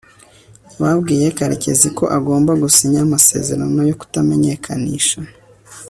babwiye karekezi ko agomba gusinya amasezerano yo kutamenyekanisha